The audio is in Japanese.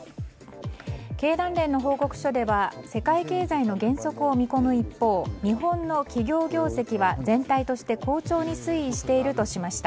経団連の報告書では世界経済の減速を見込む一方日本の企業業績は、全体として好調に推移しているとしました。